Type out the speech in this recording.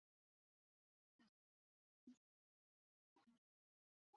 盖森海恩是德国图林根州的一个市镇。